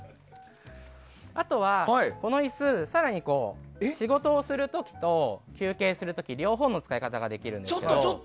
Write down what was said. あとは、この椅子更に仕事をする時と休憩する時、両方の使い方ができるんですが。